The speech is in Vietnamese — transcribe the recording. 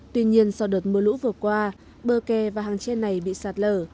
tuy nhiên sau đợt mưa lũ vừa qua bờ kè và hàng tre này bị sạt lở